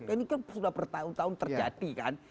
ini kan sudah bertahun tahun terjadi kan